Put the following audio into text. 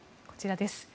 こちらです。